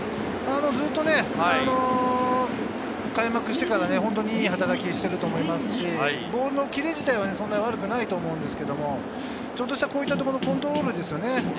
ずっと開幕してから本当にいい働きをしていると思いますし、ボールのキレ自体はそんなに悪くないと思うんですけど、こういったところのコントロールですね。